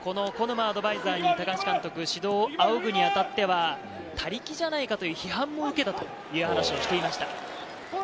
この古沼アドバイザーに高橋監督、指導を仰ぐに当たっては、他力じゃないかという批判も受けたという話をしていました。